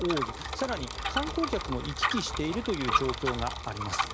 更に、観光客も行き来しているという状況があります。